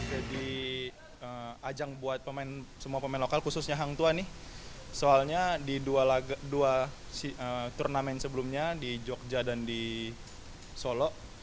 jadi ajang buat semua pemain lokal khususnya hang tua nih soalnya di dua turnamen sebelumnya di jogja dan di solo